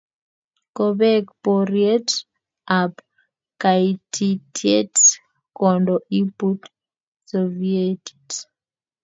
kobek poriet ab kaititiet konda iput sovietit